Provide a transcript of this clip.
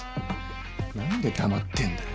なんで黙ってんだよ。